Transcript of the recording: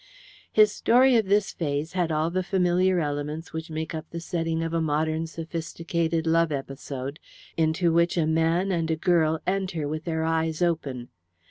His story of this phase had all the familiar elements which make up the setting of a modern sophisticated love episode, into which a man and a girl enter with their eyes open.